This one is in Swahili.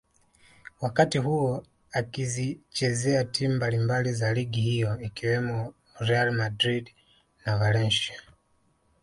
wakati huo akizichezea timu mbalimbali za ligi hiyo ikiwemo Real Madrid na Valencia